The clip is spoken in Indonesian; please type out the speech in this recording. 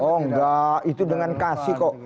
oh enggak itu dengan kasih kok